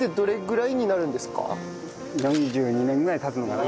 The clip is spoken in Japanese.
４２年ぐらい経つのかな？